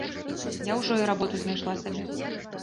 Я ўжо і работу знайшла сабе.